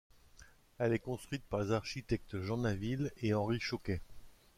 Elle est construite par les architectes Jean Naville et Henri Chauquet.